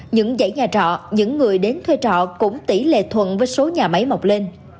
những dãy nhà trọ những người đến thuê trọ cũng tỷ lệ thuận với số nhà máy mọc lên